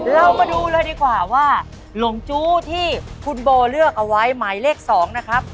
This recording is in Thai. เรามาดูเลยดีกว่าว่าหลงจู้ที่คุณโบเลือกเอาไว้หมายเลข๒นะครับ